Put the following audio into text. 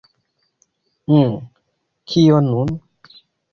Uh... kio nun?